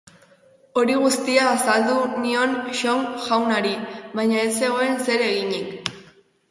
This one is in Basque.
Hori guztia azaldu nion Xong jaunari, baina ez zegoen zer eginik.